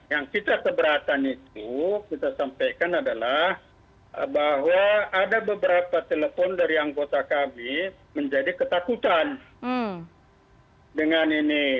yang kita keberatan itu kita sampaikan adalah bahwa ada beberapa telepon dari anggota kami menjadi ketakutan dengan ini